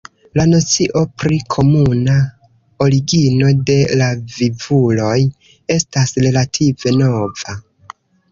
La nocio pri komuna origino de la vivuloj estas relative nova.